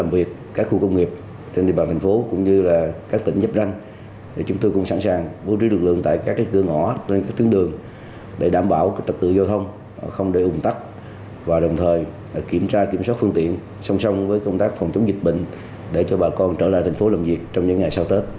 vì vậy công tác phòng chống dịch bệnh để cho bà con trở lại thành phố làm việc trong những ngày sau tết